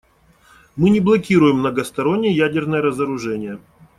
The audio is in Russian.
Мы не блокируем многостороннее ядерное разоружение.